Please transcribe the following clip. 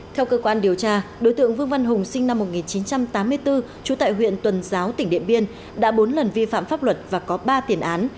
theo cơ quan điều tra đối tượng vương văn hùng sinh năm một nghìn chín trăm tám mươi bốn trú tại huyện tuần giáo tỉnh điện biên đã bốn lần vi phạm pháp luật và có ba tiền án